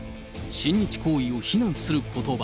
親日行為を非難することば。